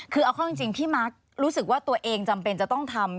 คือเอาเข้าจริงพี่มาร์ครู้สึกว่าตัวเองจำเป็นจะต้องทำ